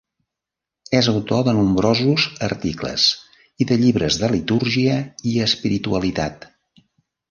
És autor de nombrosos articles i de llibres de litúrgia i espiritualitat.